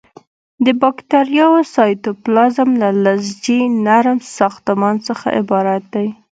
د باکتریاوو سایتوپلازم له لزجي نرم ساختمان څخه عبارت دی.